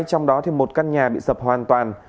trong đó một căn nhà bị sập hoàn toàn